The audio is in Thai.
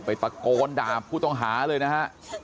ไปประโกนดาบผู้ต้องหาเลยนะ